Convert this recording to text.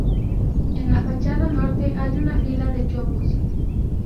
En la fachada norte hay una fila de chopos.